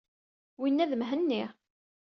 Winna d Mhenni.